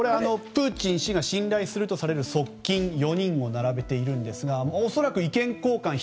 プーチン氏が信頼するとされる側近４人を並べているんですが恐らく意見交換